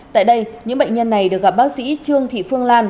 tại đây những bệnh nhân này được gặp bác sĩ trương thị phương lan